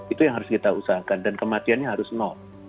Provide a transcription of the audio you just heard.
itu yang harus kita usahakan dan kematiannya harus nol